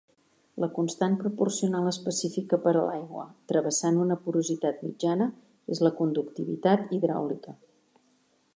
La constant proporcional específica per a l'aigua travessant una porositat mitjana és la conductivitat hidràulica.